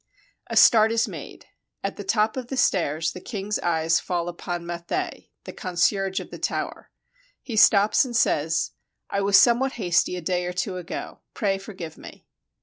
A start is made. At the top of the stairs the king's eyes fall upon Mathey, the concierge of the tower. He stops and says: "I was somewhat hasty a day or two ago; pray forgive me."